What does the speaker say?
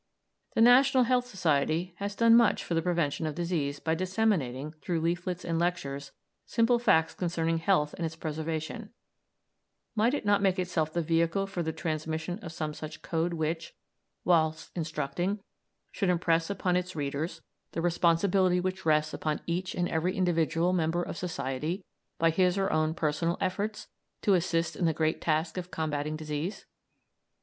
The National Health Society has done much for the prevention of disease by disseminating, through leaflets and lectures, simple facts concerning health and its preservation; might it not make itself the vehicle for the transmission of some such code which, whilst instructing, should impress upon its readers the responsibility which rests upon each and every individual member of society, by his or her own personal efforts, to assist in the great task of combating disease?